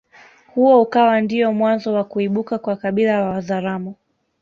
Huo ukawa ndiyo mwanzo wa kuibuka kwa kabila la Wazaramo